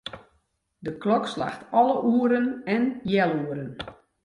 De klok slacht alle oeren en healoeren.